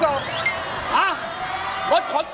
ห้ะรถขนศพ